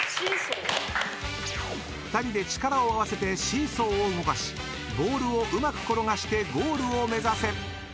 ［２人で力を合わせてシーソーを動かしボールをうまく転がしてゴールを目指せ］